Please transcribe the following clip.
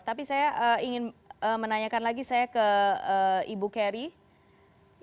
tapi saya ingin menanyakan lagi saya ke ibu carry